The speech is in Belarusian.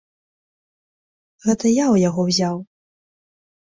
Гэта я ў яго ўзяў.